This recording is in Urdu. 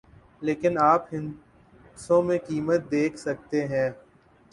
لیکن آپ ہندسوں میں قیمت دیکھ سکتے ہیں